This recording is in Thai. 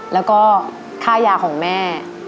แล้วก็ค่ายาของแม่